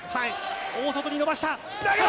大外に伸ばした。